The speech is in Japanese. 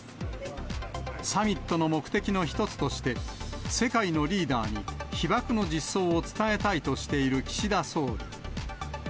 サミットの目的の一つとして、世界のリーダーに被爆の実相を伝えたいとしている岸田総理。